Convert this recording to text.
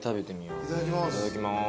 いただきます。